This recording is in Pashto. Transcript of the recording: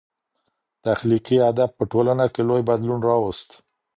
تخلیقي ادب په ټولنه کي لوی بدلون راوست.